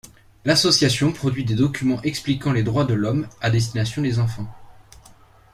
L'association produit des documents expliquant les Droits de l'homme à destination des enfants.